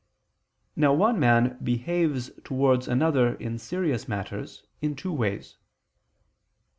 Now one man behaves towards another in serious matters, in two ways.